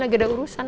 lagi ada urusan